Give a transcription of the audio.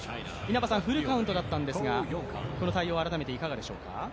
フルカウントだったんですが、この対応、改めていかがでしょうか？